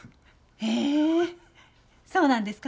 へえそうなんですか？